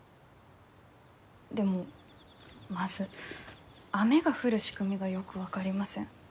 でもまず雨が降る仕組みがよく分かりません。